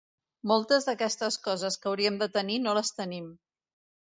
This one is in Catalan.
Moltes d’aquestes coses que hauríem de tenir no les tenim.